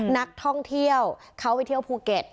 นักท่องเที่ยวเขาไปเที่ยวภูเก็ต